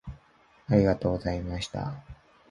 ありがとうございました。